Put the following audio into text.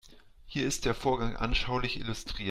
Hier ist der Vorgang anschaulich illustriert.